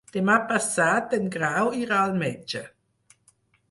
Demà passat en Grau irà al metge.